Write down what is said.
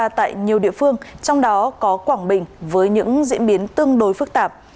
và sốt đắt diễn ra tại nhiều địa phương trong đó có quảng bình với những diễn biến tương đối phức tạp